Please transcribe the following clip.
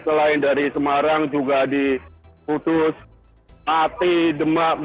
selain dari semarang juga di putus ati demak